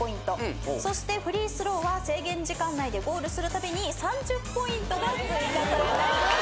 そしてフリースローは制限時間内でゴールするたびに３０ポイントが追加されます。